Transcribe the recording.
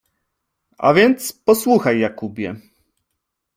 — A więc posłuchaj, Jakubie!